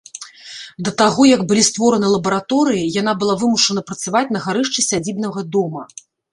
Да таго, як былі створаны лабараторыі, яна была вымушана працаваць на гарышчы сядзібнага дома.